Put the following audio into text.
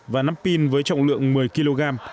và nắp pin với trọng lượng một mươi kg